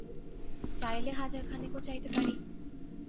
চাইলে হাজারখানেকও চাইতে পারি।